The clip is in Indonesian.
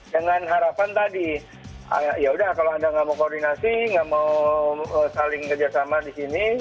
dengan harapan tadi yaudah kalau anda nggak mau koordinasi nggak mau saling kerjasama di sini